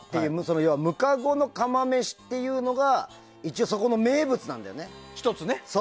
ムカゴの釜めしっていうのが一応そこの名物なんだよね。